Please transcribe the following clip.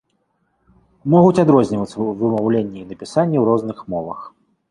Могуць адрознівацца ў вымаўленні і напісанні ў розных мовах.